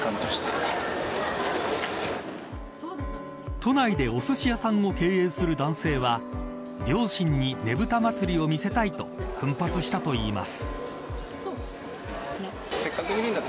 都内でおすし屋さんを経営する男性は両親にねぶた祭を見せたいと奮発したといいます。